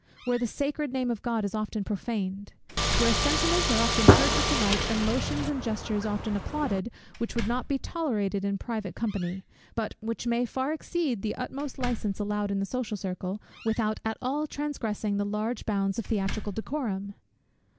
where the sacred name of God is often prophaned! where sentiments are often heard with delight, and motions and gestures often applauded, which would not be tolerated in private company, but which may far exceed the utmost licence allowed in the social circle, without at all transgressing the large bounds of theatrical decorum!